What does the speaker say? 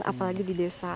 apalagi di desa